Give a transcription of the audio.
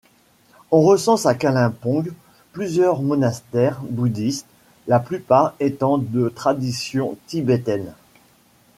On recense à Kalimpong plusieurs monastères bouddhistes, la plupart étant de tradition tibétaine.